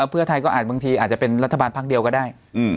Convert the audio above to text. เพื่อไทยก็อาจบางทีอาจจะเป็นรัฐบาลพักเดียวก็ได้